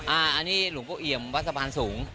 อันนี้หลวงปู่เอี่ยมวัดสะพานสูง